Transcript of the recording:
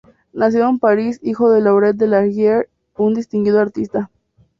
Nacido en París, hijo de Laurent de La Hire, un distinguido artista.